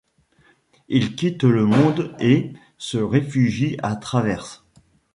Ils quittent le monde et se réfugient à Traverse.